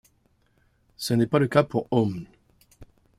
Ce n'est pas le cas pour Om̐.